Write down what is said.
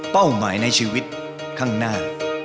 เป้าหมายในชีวิตข้างหน้า